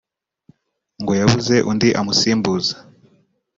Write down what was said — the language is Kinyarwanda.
ngo yabuze undi amusimbuza